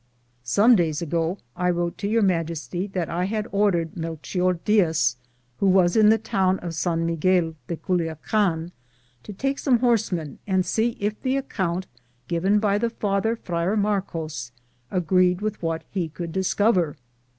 Some days ago I wrote to Your Majesty that I had ordered MelcMor Diaz, who was in the town of San Miguel de Culuacan, to take some horsemen and see if the account given by the father. Friar Marcos, agreed with what he could discover.